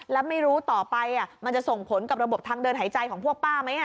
แล้วไม่รู้ต่อไปมันจะส่งผลกับระบบทางเดินหายใจของพวกป้าไหม